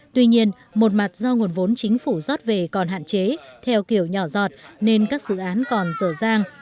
tuy nhiên một mặt do nguồn vốn chính phủ rót về còn hạn chế theo kiểu nhỏ dọt nên các dự án còn dở dang